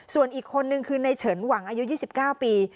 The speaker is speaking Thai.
ส่วนอีกคนนึงคือในเฉินหวังอายุ๒๙ปี